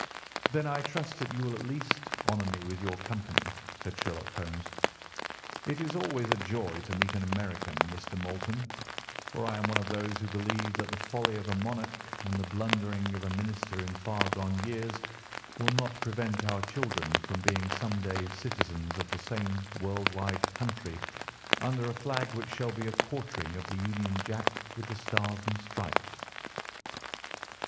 "Then I trust that you at least will honour me with your company," said Sherlock Holmes. "It is always a joy to meet an American, Mr. Moulton, for I am one of those who believe that the folly of a monarch and the blundering of a minister in far gone years will not prevent our children from being some day citizens of the same world wide country under a flag which shall be a quartering of the Union Jack with the Stars and Stripes."